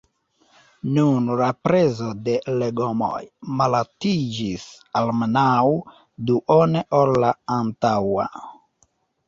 Nun la prezo de legomoj malaltiĝis almenaŭ duone ol la antaŭa.